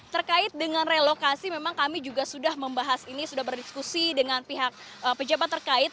terkait dengan relokasi memang kami juga sudah membahas ini sudah berdiskusi dengan pihak pejabat terkait